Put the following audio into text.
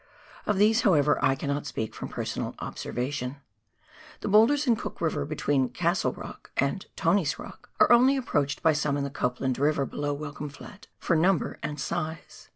Of these, however, I cannot speak from per sonal observation. The boulders in Cook River, between "Castle Rock " and " Tony's Rock," are only approached by some in the Copland River, below Welcome Flat, for number and size.